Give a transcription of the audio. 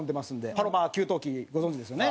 パロマの給湯器ご存じですよね？